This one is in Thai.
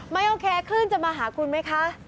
ไม่โอเคคลื่นจะมาหาคุณไหมคะ